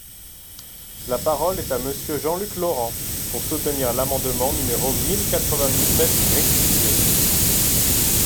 La parole est à Monsieur Jean-Luc Laurent, pour soutenir l’amendement numéro mille quatre-vingt-dix-sept rectifié.